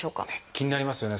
気になりますよね